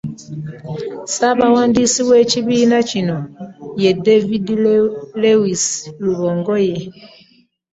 Ssaabawandiisi w'ekibiina kino, ye David Lewis Rubongoy